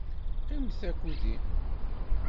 Qqimet akked-i.